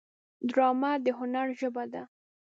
ډرامه د هنر ژبه ده